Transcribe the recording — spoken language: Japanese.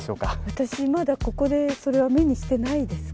私まだここでそれは目にしてないですか？